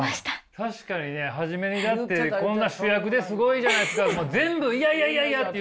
確かにね初めにだって「こんな主役ですごいじゃないですか」も全部「いやいやいやいや」って言ってたもんね。